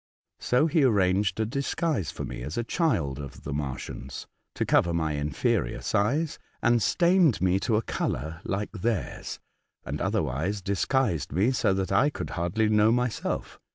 So he arranged a disguise for me as a child of the Martians, to cover my inferior size, and stained me to a colour like theirs, and other wise disguised me so that I could hardly know myself.